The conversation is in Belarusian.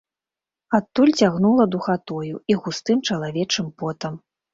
Адтуль цягнула духатою і густым чалавечым потам.